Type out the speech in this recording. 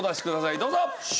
どうぞ！